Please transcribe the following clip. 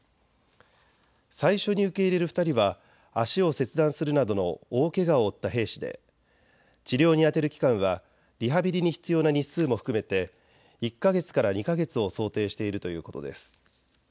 最初に受け入れる２人は足を切断するなどの大けがを負った兵士で治療に充てる期間はリハビリに必要な日数も含めて１か月から２か月を想定しているということです。